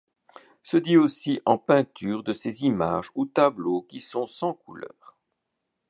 Se dit aussi en peinture de ces images ou tableaux qui sont sans couleurs.